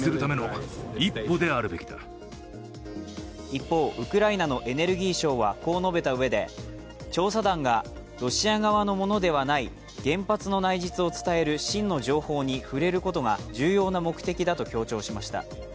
一方、ウクライナのエネルギー相はこう述べたうえで調査団がロシア側のものではない原発の内実を伝える真の情報に触れることが重要な目的だと強調しました。